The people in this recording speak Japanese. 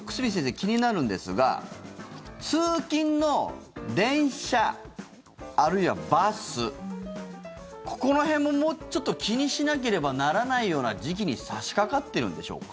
気になるんですが通勤の電車、あるいはバスここら辺も、もうちょっと気にしなければならないような時期に差しかかってるんでしょうか。